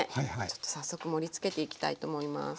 ちょっと早速盛りつけていきたいと思います。